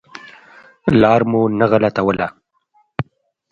لار مو نه غلطوله.